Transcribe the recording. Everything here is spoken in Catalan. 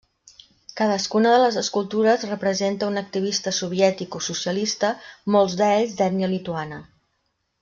Cadascuna de les escultures representa un activista soviètic o socialista, molts d'ells d'ètnia lituana.